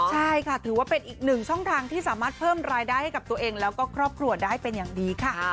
ใช่ค่ะถือว่าเป็นอีกหนึ่งช่องทางที่สามารถเพิ่มรายได้ให้กับตัวเองแล้วก็ครอบครัวได้เป็นอย่างดีค่ะ